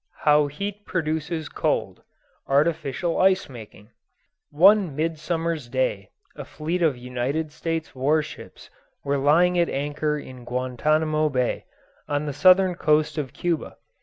HOW HEAT PRODUCES COLD ARTIFICIAL ICE MAKING One midsummers day a fleet of United States war ships were lying at anchor in Guantanamo Bay, on the southern coast of Cuba.